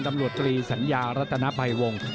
ดำเรือกตรีศัตรีรัฐนาไพ่วง